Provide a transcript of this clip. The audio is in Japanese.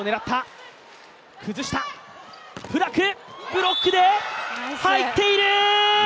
ブロックで入っている！